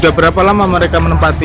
sudah berapa lama mereka menempati